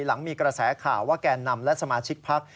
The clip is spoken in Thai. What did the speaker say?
หลังมีกระแสข่าวว่าแกนนำและสมาชิกพัก